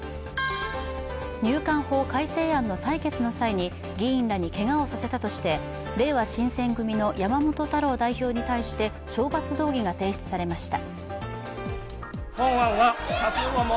入管法改正案の採決の際に議員らにけがをさせたとしてれいわ新選組の山本太郎代表に対して懲罰動議が提出されました。